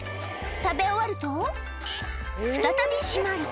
食べ終わると、再び閉まる。